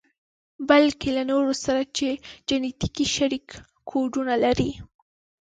بلکې له نورو سره چې جنتیکي شريک کوډونه لري.